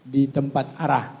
di tempat arah